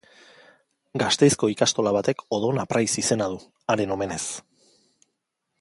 Gasteizko ikastola batek Odon Apraiz izena du, haren omenez.